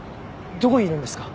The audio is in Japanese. どこにいるんですか？